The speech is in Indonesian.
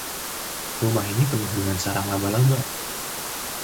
Rumah ini penuh dengan sarang laba-laba.